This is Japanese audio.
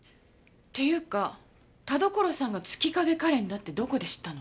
っていうか田所さんが月影カレンだってどこで知ったの？